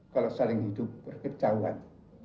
kalau saling hidup berkecauan